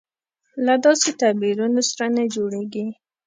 له داسې تعبیرونو سره نه جوړېږي.